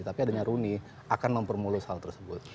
tapi adanya rooney akan mempermulus hal tersebut